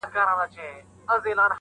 • تا مي غریبي راته پیغور کړله ..